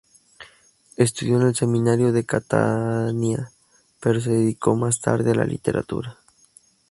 Estudió en el seminario de Catania, pero se dedicó más tarde a la literatura.